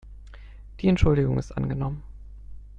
Die Entschuldigung ist angenommen.